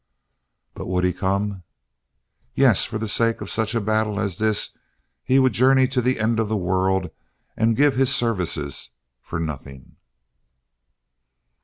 But would he come? Yes, for the sake of such a battle as this he would journey to the end of the world and give his services for nothing.